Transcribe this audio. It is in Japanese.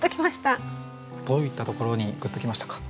どういったところにグッときましたか？